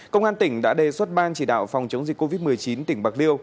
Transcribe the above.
công an tỉnh đã đề xuất ban chỉ đạo phòng chống dịch covid một mươi chín tỉnh bạc liêu